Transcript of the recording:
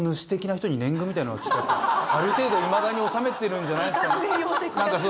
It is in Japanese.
ある程度いまだに納めてるんじゃないですか。